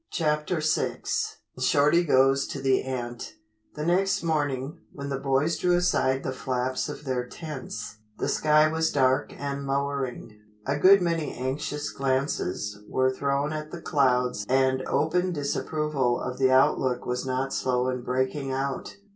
CHAPTER VI SHORTY GOES TO THE ANT The next morning, when the boys drew aside the flaps of their tents, the sky was dark and lowering. A good many anxious glances were thrown at the clouds and open disapproval of the outlook was not slow in breaking out.